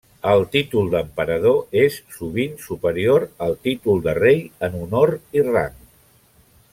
El títol d'emperador és, sovint, superior al títol de rei en honor i rang.